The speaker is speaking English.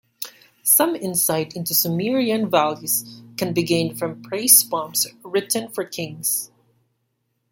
Some insight into Sumerian values can be gained from praise poems written for kings.